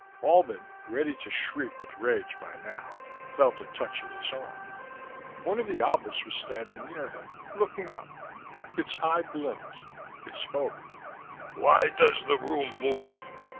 Albin, ready to shriek with rage by now, felt a touch at his arm. One of the Alberts was standing near him, looking up. Its eye blinked: it spoke. "Why does the room move?"